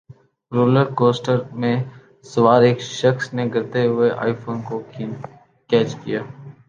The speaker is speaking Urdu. رولر کوسٹرمیں سوار ایک شخص نے گرتے ہوئے آئی فون کو کیچ کیا